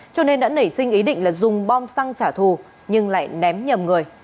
cho nên đã nảy sinh ý định là dùng bom xăng trả thù nhưng lại ném nhầm người